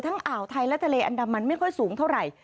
อ่าวไทยและทะเลอันดามันไม่ค่อยสูงเท่าไหร่